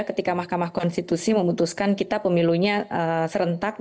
ketika mahkamah konstitusi memutuskan kita pemilunya serentak